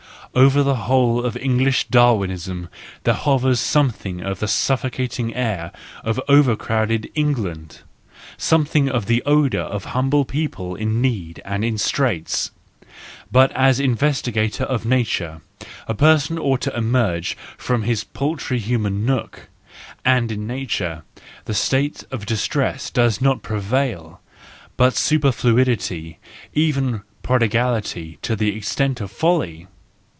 Over the whole of English Darwinism there hovers something of the suffocating air of over crowded England, some¬ thing of the odour of humble people in need and in straits. But as an investigator of nature, a person ought to emerge from his paltry human nook: and in nature the state of distress does not prevail\ but superfluity, even prodigality to the extent of folly.